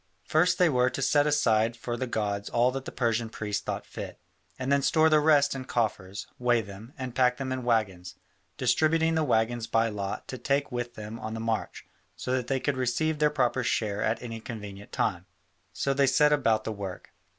First they were to set aside for the gods all that the Persian priests thought fit, and then store the rest in coffers, weight them, and pack them on waggons, distributing the waggons by lot to take with them on the march, so that they could receive their proper share at any convenient time. So they set about the work.